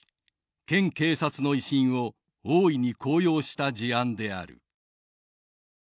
「県警察の威信を大いに昂揚した事案である。」